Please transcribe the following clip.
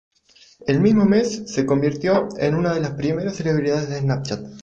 El mismo mes se convirtió en una de las primeras celebridades de Snapchat.